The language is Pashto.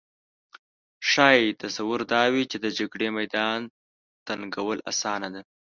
ښايي تصور دا وي چې د جګړې میدان تنګول اسانه ده